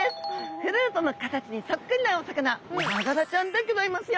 フルートの形にそっくりなお魚ヤガラちゃんでギョざいますよ。